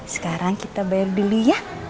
sekarang kita bayar dulu ya